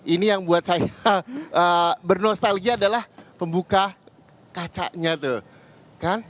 ini yang buat saya bernostalgia adalah pembuka kacanya tuh kan